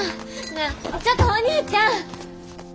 なあちょっとお兄ちゃん！